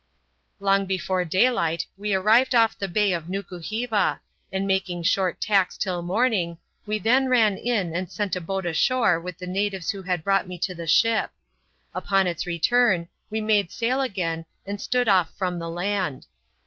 Long before daylight we arrived off the bay of Nukuheva, and, making short tacks until morning, we then ran in, and sent a boat ashore with the natives who had brought me to the ship. Upon its return we made sail again, and stood off from the land.